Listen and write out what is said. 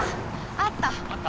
あった？